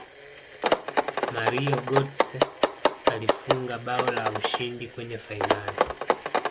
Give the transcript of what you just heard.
mario gotze alifunga bao la ushindi kwenye fainali